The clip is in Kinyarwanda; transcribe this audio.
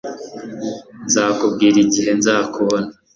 Nzakubwira igihe nzakubona